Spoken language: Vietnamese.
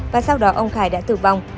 và sau đó ông khải đã tử vong